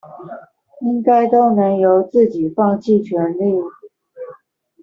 應該都能由自己放棄權力